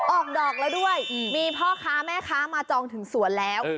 ออกดอกแล้วด้วยมีพ่อค้าแม่ค้ามาจองถึงสวนแล้ว